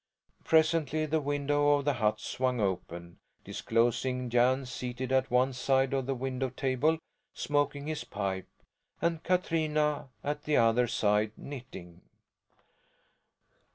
Presently the window of the hut swung open, disclosing Jan seated at one side of the window table smoking his pipe, and Katrina at the other side, knitting.